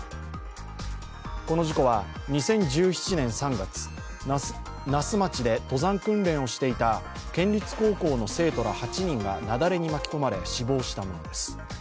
この事故は２０１７年３月、那須町で登山訓練をしていた県立高校の生徒ら８人が雪崩に巻き込まれ死亡したものです。